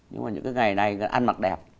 nhưng mà những cái ngày này ăn mặc đẹp